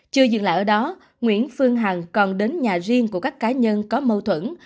chưa dừng lại ở đó nguyễn phương hằng còn đến nhà riêng của các cá nhân có mâu thuẫn